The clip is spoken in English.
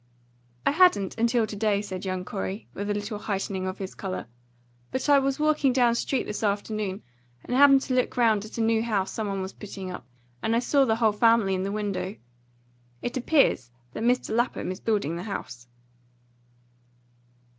"I hadn't until to day," said young Corey, with a little heightening of his colour. "But I was walking down street this afternoon, and happened to look round at a new house some one was putting up, and I saw the whole family in the window. It appears that Mr. Lapham is building the house."